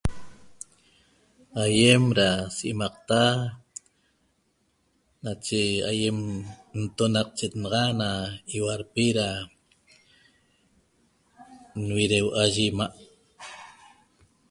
Aiem da simaqta nache aiem intonatec chetaxa na ihuarpi na nirue mayi imaa'